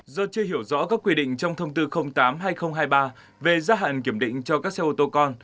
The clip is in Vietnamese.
do chưa hiểu rõ các quy định trong thông tư tám hai nghìn hai mươi ba về gia hạn kiểm định cho các xe ô tô con